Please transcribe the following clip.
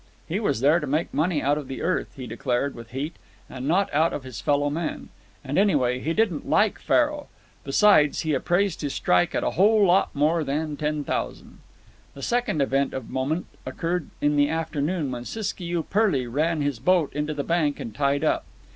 He was there to make money out of the earth, he declared with heat, and not out of his fellow men. And anyway, he didn't like faro. Besides, he appraised his strike at a whole lot more than ten thousand. The second event of moment occurred in the afternoon, when Siskiyou Pearly ran his boat into the bank and tied up.